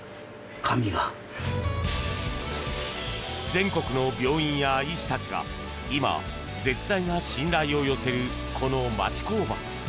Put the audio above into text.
全国の病院や医師たちが今、絶大な信頼を寄せるこの町工場。